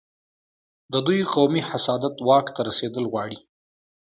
د دوی قومي حسادت واک ته رسېدل غواړي.